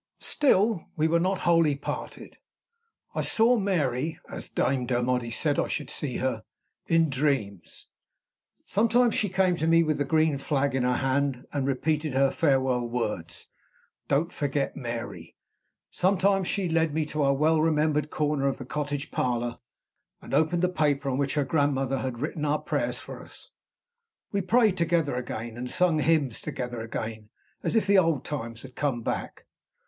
Still, we were not wholly parted. I saw Mary as Dame Dermody said I should see her in dreams. Sometimes she came to me with the green flag in her hand, and repeated her farewell words "Don't forget Mary!" Sometimes she led me to our well remembered corner in the cottage parlor, and opened the paper on which her grandmother had written our prayers for us. We prayed together again, and sung hymns together again, as if the old times had come back.